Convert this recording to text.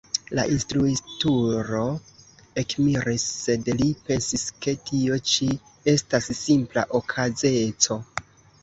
La instruitulo ekmiris, sed li pensis, ke tio ĉi estas simpla okazeco.